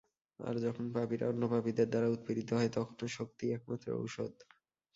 আর যখন পাপীরা অন্য পাপীদের দ্বারা, উৎপীড়িত হয়, তখনও শক্তিই একমাত্র ঔষধ।